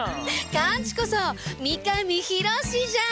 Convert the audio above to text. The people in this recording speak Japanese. カンチこそ三上博史じゃん！